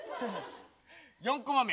４コマ目。